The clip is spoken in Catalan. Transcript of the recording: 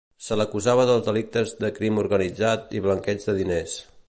Se l'acusava dels delictes de crim organitzat i blanqueig de diners.